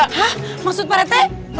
hah maksud pak rethe